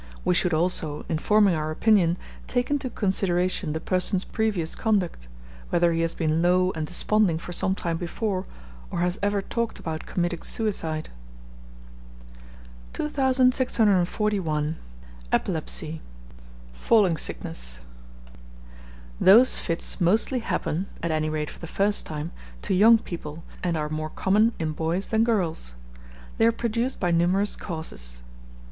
We should also, in forming our opinion, take into consideration the person's previous conduct whether he has been low and desponding for some time before, or has ever talked about committing suicide. 2641. EPILEPSY. Falling Sickness. Those fits mostly happen, at any rate for the first time, to young people, and are more common in boys than girls. They are produced by numerous causes.